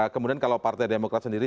kemudian kalau partai demokrat sendiri